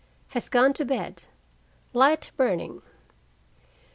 Has gone to bed. Light burning.